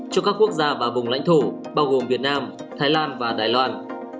cho các quốc gia và vùng lãnh thổ bao gồm việt nam thái lan và đài loan